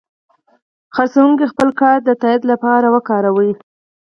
پیرودونکی خپل کارت د تادیې لپاره وکاراوه.